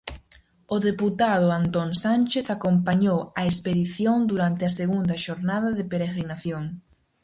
O deputado Antón Sánchez acompañou a expedición durante a segunda xornada de peregrinación.